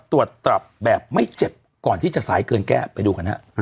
ตรวจตับแบบไม่เจ็บก่อนที่จะสายเกินแก้ไปดูกันฮะ